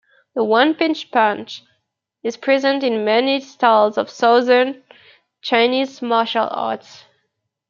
The One-inch punch is present in many styles of Southern Chinese martial arts.